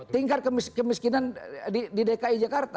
tingkat kemiskinan di dki jakarta